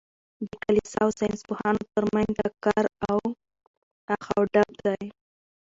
د کلیسا او ساینس پوهانو تر منځ ټکر او اخ و ډب دئ.